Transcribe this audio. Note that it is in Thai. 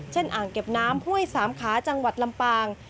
อ่างเก็บน้ำห้วยสามขาจังหวัดลำปาง